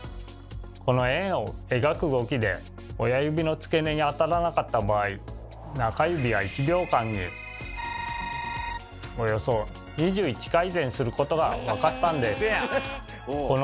この円を描く動きで親指の付け根にあたらなかった場合中指は１秒間におよそ２１回転することが分かったんです。